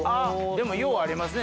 でもようありますね。